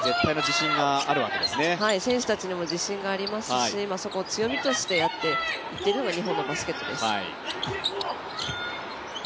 選手たちにも自信がありますしそこを強みとしてやっていってるのが日本のバスケットです。